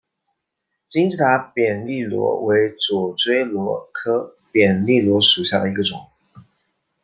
金字塔扁粒螺为左锥螺科扁粒螺属下的一个种。